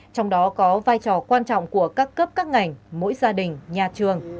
trong đó có vai trò quan trọng của các cấp các ngành mỗi gia đình nhà trường